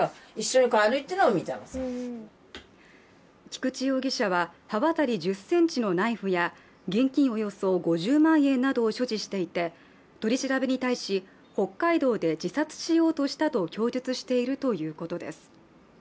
菊池容疑者は刃渡り１０ｃｍのナイフや現金およそ５０万円を所持していて、取り調べに対し、北海道で自殺しようとしたと供述しているということです。